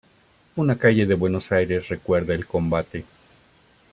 Una calle de Buenos Aires recuerda el combate.